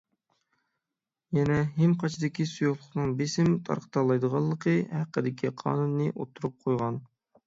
يەنە ھىم قاچىدىكى سۇيۇقلۇقنىڭ بېسىم تارقىتالايدىغانلىقى ھەققىدىكى قانۇننى ئوتتۇرىغا قويغان.